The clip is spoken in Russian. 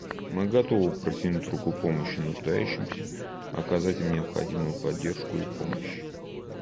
Мы готовы протянуть руку помощи нуждающимся, оказать им необходимую поддержку и помощь.